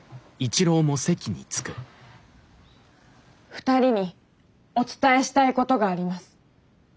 ２人にお伝えしたいことがあります。